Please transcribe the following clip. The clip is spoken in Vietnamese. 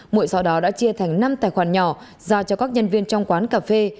mụy sau đó đã chia thành năm tài khoản nhỏ ra cho các nhân viên trong quán cà phê